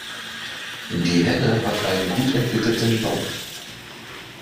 Die Henne hat einen gut entwickelten Bauch.